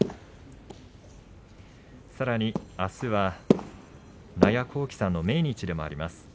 さらにはあすは納谷幸喜さんの命日でもあります。